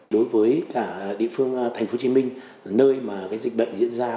đối với cả địa phương thành phố hồ chí minh nơi mà dịch bệnh diễn ra